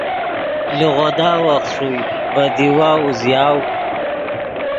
لیغودا وخت ݰوئے ڤے دیوا اوزیاؤ